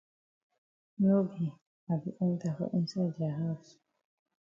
No be I be enter for inside dia haus.